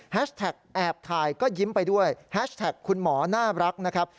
แท็กแอบถ่ายก็ยิ้มไปด้วยแฮชแท็กคุณหมอน่ารักนะครับ